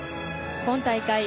今大会